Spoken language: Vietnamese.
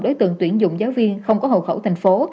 đối tượng tuyển dụng giáo viên không có hậu khẩu thành phố